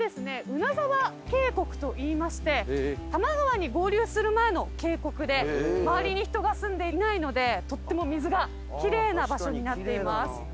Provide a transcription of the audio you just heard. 海沢渓谷といいまして多摩川に合流する前の渓谷で周りに人が住んでいないのでとっても水が奇麗な場所になっています。